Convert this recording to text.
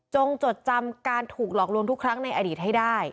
จดจำการถูกหลอกลวงทุกครั้งในอดีตให้ได้